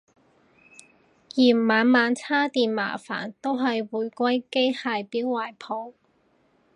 嫌晚晚叉電麻煩都係回歸機械錶懷抱